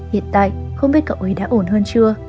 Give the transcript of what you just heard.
hiện tại không biết cậu ế đã ổn hơn chưa